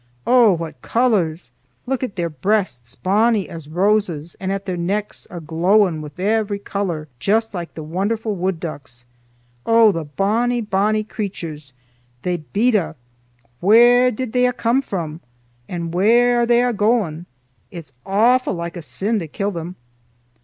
"Oh, what colors! Look at their breasts, bonnie as roses, and at their necks aglow wi' every color juist like the wonderfu' wood ducks. Oh, the bonnie, bonnie creatures, they beat a'! Where did they a' come fra, and where are they a' gan? It's awfu' like a sin to kill them!"